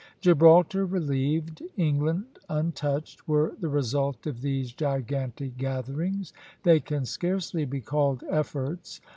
Gibraltar relieved, England untouched, were the results of these gigantic gatherings; they can scarcely be called efforts.